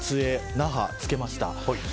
那覇つけました。